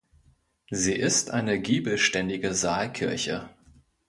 Sie ist eine giebelständige Saalkirche.